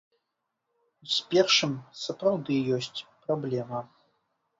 З першым сапраўды ёсць праблема.